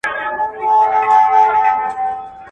یوه ږغ کړه چي ګوربت ظالم مرغه دی.